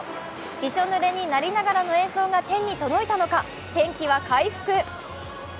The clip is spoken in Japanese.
びしょぬれになりながらの演奏が天に届いたのか天気は回復。